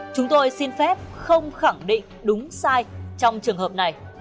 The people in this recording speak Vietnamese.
chúng tôi xin phép không khẳng định đúng sai trong trường hợp này